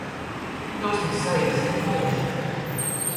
Dusmas saīsina mūžu